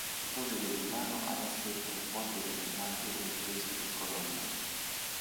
I tifosi del Lugano hanno stretto un forte gemellaggio con i tedeschi del Colonia.